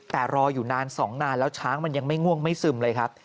แต่รออยู่นาน๒นานแล้วช้างมันยังไม่ง่วงไม่ซึมเลยครับ